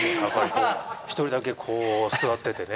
１人だけこう座っててね。